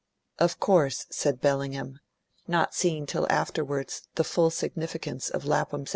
"Of course," said Bellingham, not seeing till afterwards the full significance of Lapham's action.